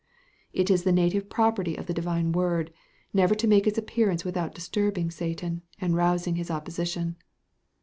It is the native property of the Divine word, never to make its appearance without disturbing Satan, and rousing his opposition.